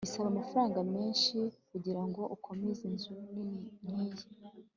bisaba amafaranga menshi kugirango ukomeze inzu nini nkiyi